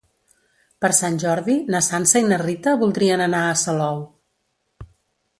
Per Sant Jordi na Sança i na Rita voldrien anar a Salou.